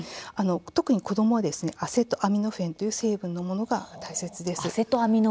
特に子どもはアセトアミノフェンという成分のものが大切です。